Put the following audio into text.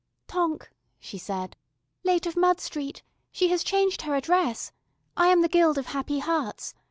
"Tonk," she said. "Late of Mud Street. She has changed her address. I am the Guild of Happy Hearts.